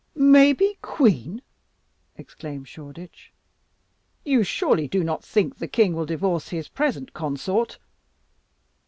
"May be queen!" exclaimed Shoreditch. "You surely do not think the king will divorce his present consort?"